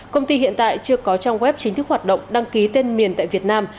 công ty hiện tại chưa có trang web chính thức hoạt động đăng ký tên miền tại việt nam